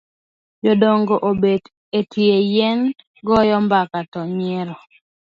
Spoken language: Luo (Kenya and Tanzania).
Jodongo obet etie yien goyo mbaka to nyiero.